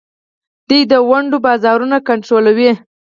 دوی د ونډو بازارونه کنټرولوي.